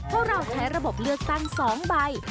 เพราะเราใช้ระบบเลือกตั้ง๒ใบ